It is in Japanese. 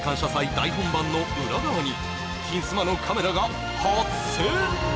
大本番の裏側に「金スマ」のカメラが初潜入！